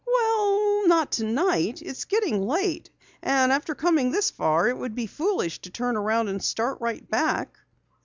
"Well, not tonight. It's getting late and after coming this far it would be foolish to turn around and start right back."